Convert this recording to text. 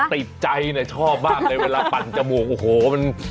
ติดใจเนี่ยชอบมากเลยเวลาปั่นจมูกโอ้โหมัน